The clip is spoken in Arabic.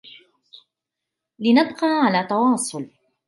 لنبقى على تواصل.